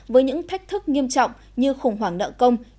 với những thách thức nghiêm trọng như khủng hoảng nợ công